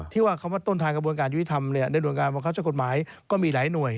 ที่ว่าคำว่าต้นทางกระบวนการยุทธรรมเนี่ยในหน่วยงานประวัติศาสตร์กฎหมายก็มีหลายหน่วย